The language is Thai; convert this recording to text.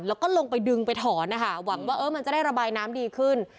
แล้วก็ลงไปดึงไปถอนนะคะหวังว่ามันจะได้ระบายน้ำดีขึ้น